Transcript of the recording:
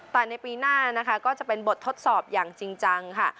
แต่ในปีหน้านะคะก็จะเป็นบททดสอบอย่างจริงจังค่ะ